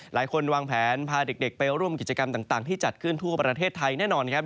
หลายคนวางแผนพาเด็กไปร่วมกิจกรรมต่างที่จัดขึ้นทั่วประเทศไทยแน่นอนครับ